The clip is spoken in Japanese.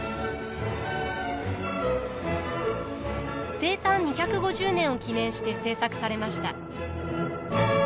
生誕２５０年を記念して制作されました。